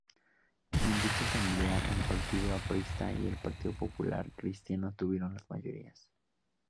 En dicha asamblea, el Partido Aprista y el Partido Popular Cristiano tuvieron las mayorías.